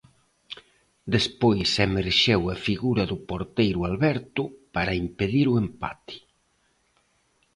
Despois emerxeu a figura do porteiro Alberto para impedir o empate.